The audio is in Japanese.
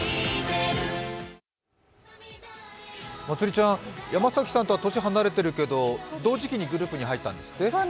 まつりちゃん、山崎さんとは年離れているけど同時期にグループに入ったんですって？